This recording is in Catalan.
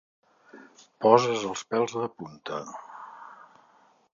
Poses els pèls de punta.